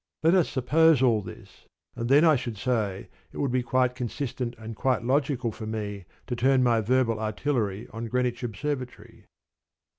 Let us suppose all this, and then I should say it would be quite consistent and quite logical for me to turn my verbal artillery on Greenwich Observatory.